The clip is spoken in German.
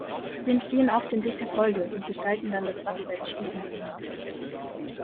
Sie entstehen oft in dichter Folge und gestalten dann das Bachbett stufenförmig.